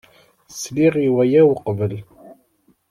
Sliɣ i waya uqbel.